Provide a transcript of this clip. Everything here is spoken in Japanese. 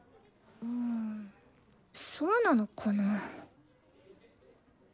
んそうなのかなぁ？